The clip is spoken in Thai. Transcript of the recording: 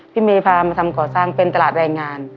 พี่เมย์พามาทำก่อสร้างเป็นตลาดแรงงาน